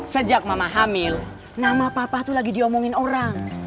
sejak mama hamil nama papa itu lagi diomongin orang